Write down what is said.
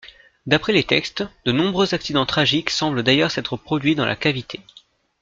D'après les textes, de nombreux accidents tragiques semblent d’ailleurs s’être produits dans la cavité.